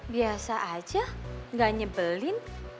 biasa aja gak nyebelin